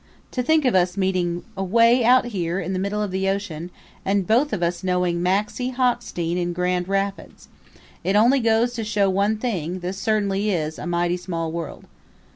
To think of us meeting away out here in the middle of the ocean and both of us knowing Maxie Hockstein in Grand Rapids. It only goes to show one thing this certainly is a mighty small world."